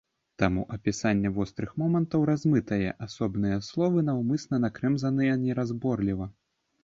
Таму апісанне вострых момантаў размытае, асобныя словы наўмысна накрэмзаныя неразборліва.